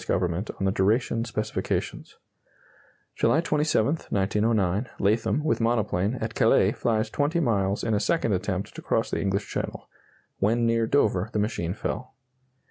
Government on the duration specifications. July 27, 1909 Latham, with monoplane, at Calais, flies 20 miles in a second attempt to cross the English Channel. When near Dover the machine fell.